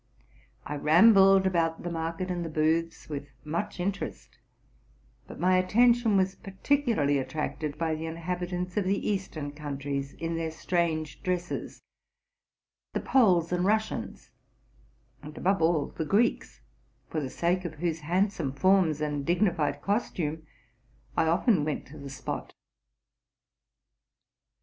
I rambled about the market and the booths with much interest; but my attention was particularly attracted by the inhabitants of the Eastern coun tries in their strange dresses, the Poles and Russians, and, above all, the Greeks, for the sake of whose handsome forms and dignified costume I often went to the spot.